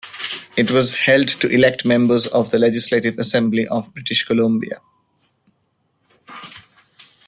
It was held to elect members of the Legislative Assembly of British Columbia.